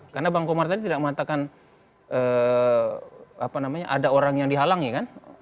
karena bang komar tadi tidak mengatakan ada orang yang dihalangi kan